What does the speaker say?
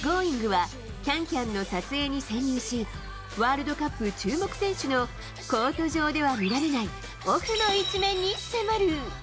は、ＣａｎＣａｍの撮影に潜入し、ワールドカップ注目選手のコート上では見られない、オフの一面に迫る。